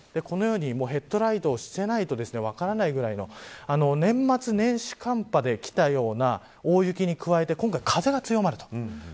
このように、ヘッドライトをしていないと分からないぐらいの年末年始寒波できたような大雪に加えて今回は風が強まる。